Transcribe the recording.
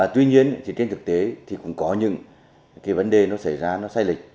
tuy nhiên thì trên thực tế thì cũng có những cái vấn đề nó xảy ra nó sai lệch